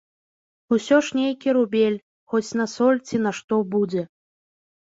Усё ж нейкі рубель, хоць на соль ці на што будзе.